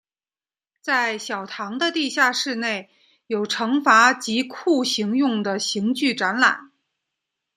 在小堂的地下室内有惩罚及酷刑用的刑具展览。